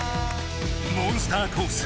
モンスターコース